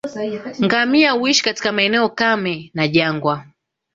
Ngamia huishi katika maeneo kame na jangwa